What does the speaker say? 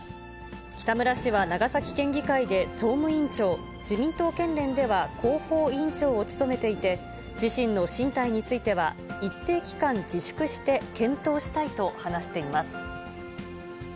北村氏は長崎県議会で総務委員長、自民党県連では広報委員長を務めていて、自身の進退については、一定期間自粛して検討したいと話しています。